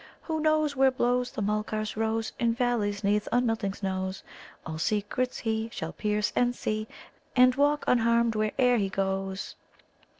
"Who knows Where blows The Mulgars' rose, In valleys 'neath unmelting snows All secrets He Shall pierce and see, And walk unharmed where'er he goes."